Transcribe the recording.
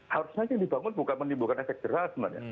harusnya yang dibangun bukan menimbulkan efek jerah sebenarnya